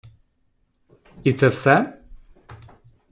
І це все?